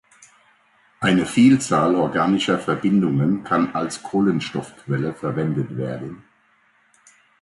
Eine Vielzahl organischer Verbindungen kann als Kohlenstoffquelle verwendet werden.